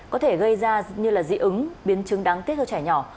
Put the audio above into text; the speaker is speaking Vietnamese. có thể gây ra như là dị ứng biến chứng đáng tiếc cho trẻ nhỏ